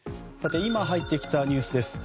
今入ってきたニュースです。